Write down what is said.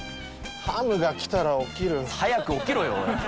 「ハムが来たら起きる」。早く起きろよおい。